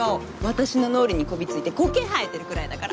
私の脳裏にこびりついてコケ生えてるくらいだから。